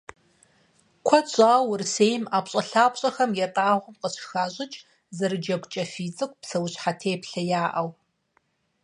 Куэд щӀауэ Урысейм ӀэпщӀэлъапщӀэхэм ятӀагъуэм къыщыхащӀыкӀ зэрыджэгу, кӀэфий цӀыкӀу, псэущхьэ теплъэяӀэу.